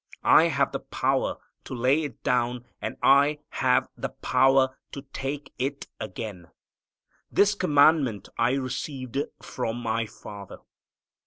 I have the power to lay it down, and I have the power to take it again. This commandment I received from My Father."